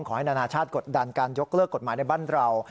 ขอให้นานาชาติกดดันการยกเลิกกฎหมายในบ้านเรา